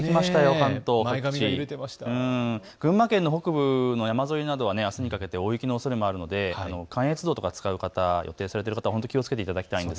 関東各地、群馬県の北部の山沿いなどはあすにかけて大雪のおそれもあるので関越道とか使う方、気をつけていただきたいと思います。